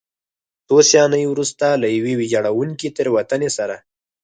څو ثانیې وروسته له یوې ویجاړوونکې تېروتنې سره.